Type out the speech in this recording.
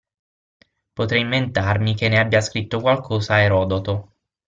Potrei inventarmi che ne abbia scritto qualcosa Erodoto.